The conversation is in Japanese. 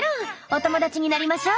お友達になりましょ。